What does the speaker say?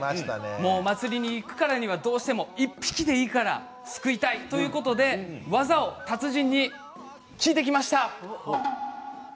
祭りに行くからにはどうしても１匹でもいいからすくいたいということで技を達人に聞いてきました。